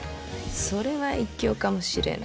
それは一興かもしれぬ。